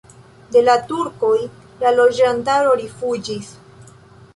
De la turkoj la loĝantaro rifuĝis.